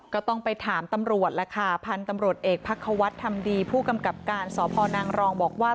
ก็ต้องไปถามตำรวจล่ะค่ะพันธุ์ตำรวจเอกพักควัฒน์ทำดีผู้กำกับการสพนางรองบอกว่า